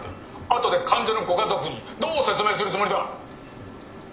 後で患者のご家族にどう説明するつもりだ？